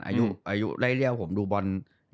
อายุได้เรียวผมดูบอล